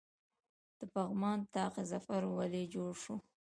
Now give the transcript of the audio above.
د پغمان طاق ظفر ولې جوړ شو؟